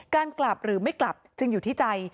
การกลับหรือไม่กลับจึงอยู่ที่ใจ